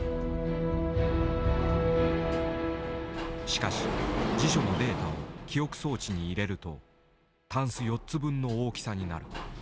しかし辞書のデータを記憶装置に入れるとタンス４つ分の大きさになる。